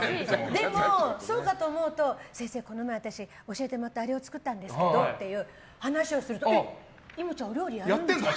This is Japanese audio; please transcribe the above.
でも、そうかと思うと先生、この前私、教えてもらったあれを作ったんですけどっていう話をするとちゃんとやってんだ。